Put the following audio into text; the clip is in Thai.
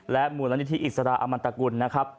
มูลนิธิอิสราอมันตกุลนะครับ